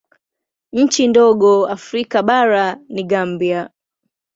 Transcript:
Nchi ndogo Afrika bara ni Gambia.